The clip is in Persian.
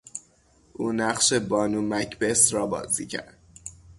او نقش بانو مکبث را بازی کرد.